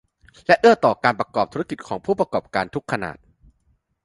และเอื้อต่อการประกอบธุรกิจของผู้ประกอบการทุกขนาด